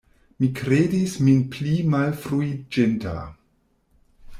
Mi kredis min pli malfruiĝinta.